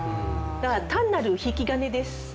単なる引き金です。